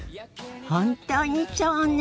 本当にそうね！